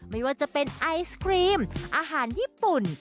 ไม่ว่าจะเป็นไอศครีมอาหารญี่ปุ่น